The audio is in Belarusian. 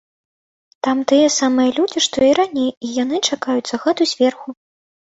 Там тыя самыя людзі, што і раней, і яны чакаюць загаду зверху.